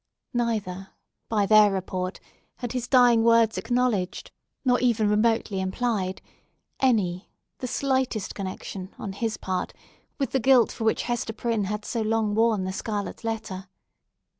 Neither, by their report, had his dying words acknowledged, nor even remotely implied, any—the slightest—connexion on his part, with the guilt for which Hester Prynne had so long worn the scarlet letter.